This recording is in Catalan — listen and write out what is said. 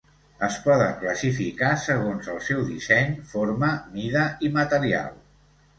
Es poden classificar segons el seu disseny, forma, mida i material.